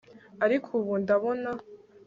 ariko ubu ndabona